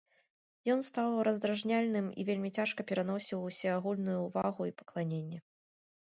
Ён стаў раздражняльным і вельмі цяжка пераносіў усеагульную ўвагу і пакланенне.